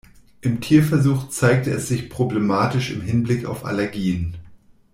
Im Tierversuch zeigte es sich problematisch im Hinblick auf Allergien.